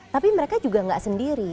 tapi mereka juga nggak sendiri